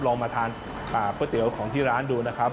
ลองมาทานก๋วยเตี๋ยวของที่ร้านดูนะครับ